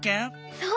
そう！